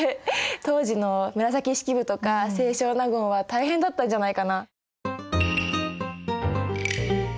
当時の紫式部とか清少納言は大変だったんじゃないかな。